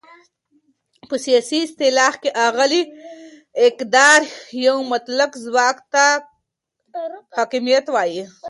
په سیاسي اصطلاح کې اعلی اقتدار یا مطلق ځواک ته حاکمیت وایې.